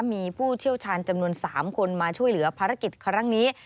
มีผู้เชี่ยวชาญจำนวน๓คนมาช่วยเหลือภารกิจครั้งนี้